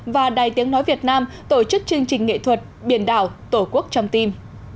và đài tiếng nói việt nam tổ chức chương trình nghệ thuật biển đảo tổ quốc trong tim